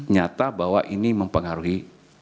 nyata bahwa ini mempengaruhi